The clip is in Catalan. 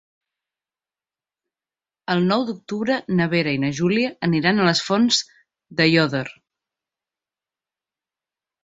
El nou d'octubre na Vera i na Júlia aniran a les Fonts d'Aiòder.